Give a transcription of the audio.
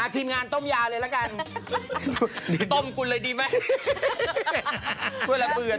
ทีมงานต้มยาต้องเลยละกัน